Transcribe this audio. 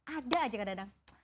ada aja kadang kadang